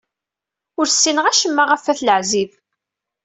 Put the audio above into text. Ur ssineɣ acemma ɣef At Leɛzib.